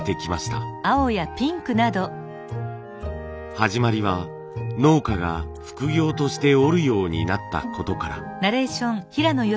始まりは農家が副業として織るようになったことから。